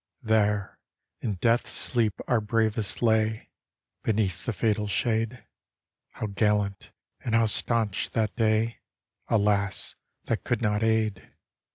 There, in death's sleep our bravest lay. Beneath the fatal shade; How gallant and how stanch that day! Alas! that could not aid.